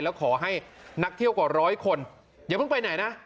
แล้วขอให้นักเที่ยวกว่าร้อยคนอย่าเพิ่งไปไหนนะ